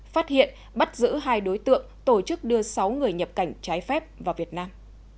phát hiện bắt giữ hai đối tượng tổ chức đưa sáu người nhập cảnh trái phép vào việt nam